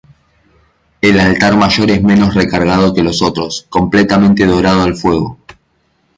El altar mayor es menos recargado que los otros, completamente dorado al fuego.